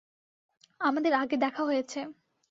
আমাদের আগে দেখা হয়েছে।